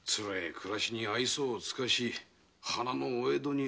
暮らしに愛想をつかし花のお江戸に憧れる。